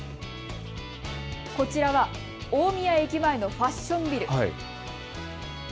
こちらは大宮駅前のファッションビル。